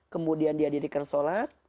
kemudian diadilkan sholat